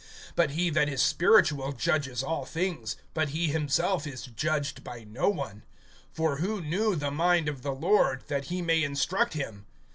(15)But he that is spiritual judges all things; but he himself is judged by no one. (16)For who knew the mind of the Lord, that he may instruct him?